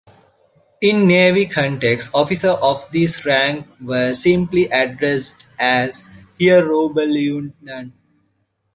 In navy context officers of this rank were simply addressed as "Herr Oberleutnant".